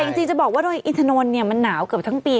จริงจะบอกว่าโดยอินทนนท์มันหนาวเกือบทั้งปี